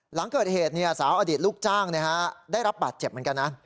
หลังเกิดเหตุสาวอดีตลูกจ้างได้รับบาดเจ็บเหมือนกันนะ